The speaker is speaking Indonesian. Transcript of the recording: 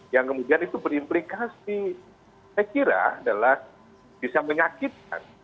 yang kemudian itu berimplikasi saya kira adalah bisa menyakitkan